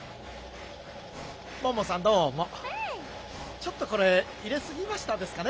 ちょっとこれ入れすぎましたですかね。